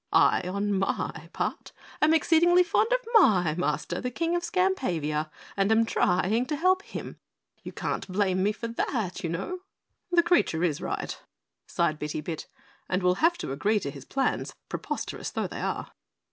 I, on my part, am exceedingly fond of my Master, the King of Skampavia, and am trying to help him. You can't blame me for that, you know." "The creature is right," sighed Bitty Bit, "and we'll have to agree to his plans, preposterous though they are."